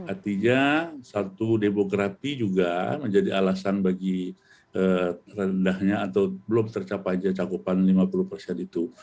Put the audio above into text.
artinya satu demografi juga menjadi alasan bagi rendahnya atau belum tercapai aja cakupan lima puluh persen itu